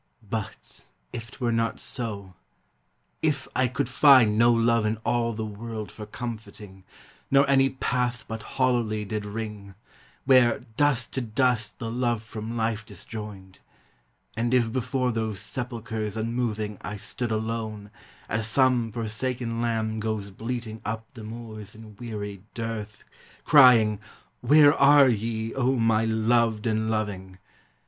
But if it were not so, — if I could find No love in all the world for comforting, Nor any path but hollowly did ring, Where "dust to dust"the love from life disjoined And if before those sepulchres unmoving I stood alone (as some forsaken lamb Goes bleating up the moors in weary dearth), Crying, " Where are ye, O my loved and loving?"